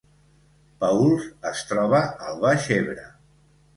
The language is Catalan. Paüls es troba al Baix Ebre